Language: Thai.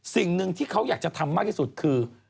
สิ่งหนึ่งที่เขาอยากจะทำมากที่สุดคือ